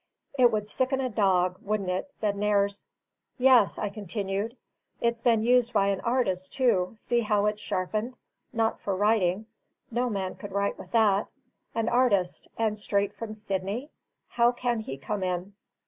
"It would sicken a dog, wouldn't it?" said Nares. "Yes," I continued, "it's been used by an artist, too: see how it's sharpened not for writing no man could write with that. An artist, and straight from Sydney? How can he come in?"